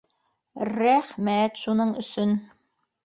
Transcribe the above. Р-рәхмәт шуның өсөн